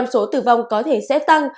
số tử vong có thể sẽ tăng